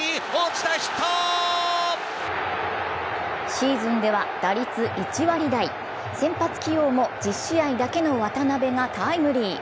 シーズンでは打率１割台、先発起用も１０試合だけの渡邉がタイムリー。